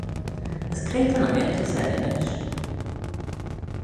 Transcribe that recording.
As cre ta'n eiyrtys echey nish?